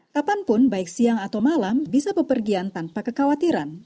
kapanpun baik siang atau malam bisa bepergian tanpa kekhawatiran